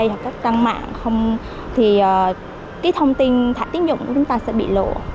hoặc các trang mạng thì cái thông tin thả tiếng dụng của chúng ta sẽ bị lộ